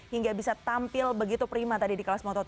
hingga bisa tampil begitu prima tadi di kelas moto tiga